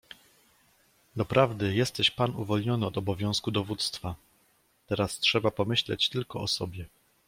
"Doprawdy, jesteś pan uwolniony od obowiązku dowództwa, teraz trzeba pomyśleć tylko o sobie."